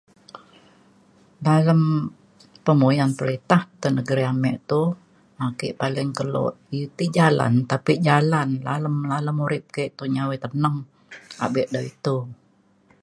dalem pemuyan peritah te negeri ame tou ake paling kelo iu ti jalan. tapek jalan lalem lalem urip ke tou nyi awai teneng abe dau itou